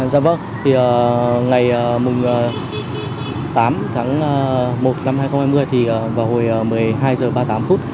dạ vâng ngày tám tháng một năm hai nghìn hai mươi vào hồi một mươi hai h ba mươi tám phút